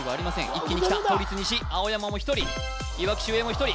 一気にきた都立西青山も１人いわき秀英も１人